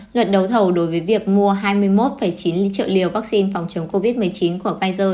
luật đấu thầu đối với việc mua hai mươi một chín triệu liều vaccine phòng chống covid một mươi chín của pfizer